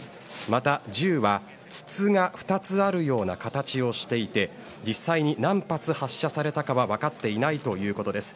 また銃は筒が２つあるような形をしていて実際に何発発射されたかは分かっていないということです。